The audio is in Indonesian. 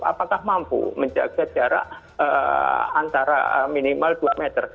apakah mampu menjaga jarak antara minimal dua meter